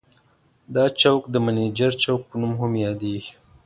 دا چوک د منجر چوک په نوم هم یادیږي.